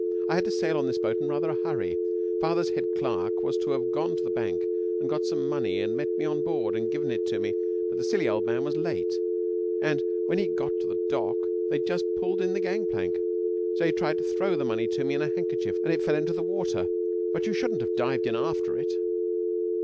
I had to sail on this boat in rather a hurry. Father's head clerk was to have gone to the bank and got some money and met me on board and given it to me, but the silly old man was late, and when he got to the dock they had just pulled in the gang plank. So he tried to throw the money to me in a handkerchief and it fell into the water. But you shouldn't have dived in after it."